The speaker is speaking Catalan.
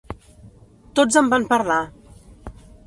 Tots en van parlar.